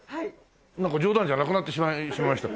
なんか冗談じゃなくなってしまいました。